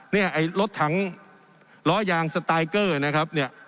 ไอ้รถถังล้อยางสไตลเกอร์นะครับเนี่ย